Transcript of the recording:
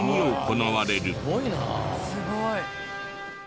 すごいな。